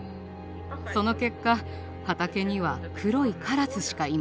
その結果畑には黒いカラスしかいません。